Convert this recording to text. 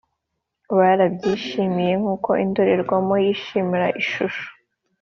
barabyishimiye nkuko indorerwamo yishimira ishusho